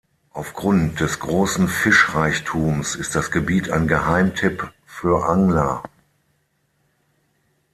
Aufgrund des großen Fischreichtums ist das Gebiet ein Geheimtipp für Angler.